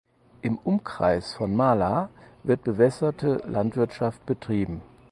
Im Umkreis von Mala wird bewässerte Landwirtschaft betrieben.